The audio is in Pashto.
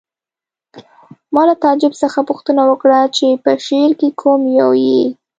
ما له تعجب څخه پوښتنه وکړه چې په شعر کې کوم یو یې